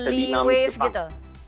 kelih wave gitu